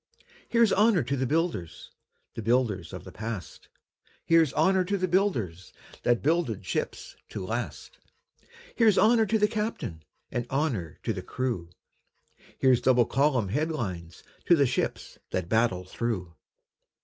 Here's honour to the builders – The builders of the past; Here's honour to the builders That builded ships to last; Here's honour to the captain, And honour to the crew; Here's double column headlines To the ships that battle through.